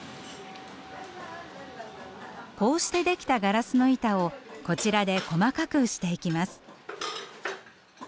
こうして出来たガラスの板をこちらで細かくしていきます。